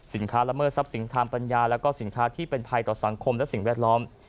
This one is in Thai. สินค้าระเมิดทรัพย์สินค้าธรรมปัญญาและสินค้าที่เป็นภัยต่อสังคมและสิ่งแวดล้อม